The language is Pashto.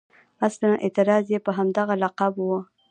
اصلاً اعتراض یې په همدغه لقب و.